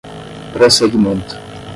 prosseguimento